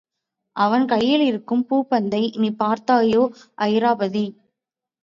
அவன் கையிலிருக்கும் பூம்பந்தை நீ பார்த்தாயோ அயிராபதி!